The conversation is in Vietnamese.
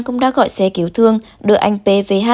cũng đã gọi xe cứu thương đưa anh b v h